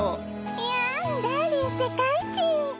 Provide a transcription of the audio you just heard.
いやんダーリン世界一！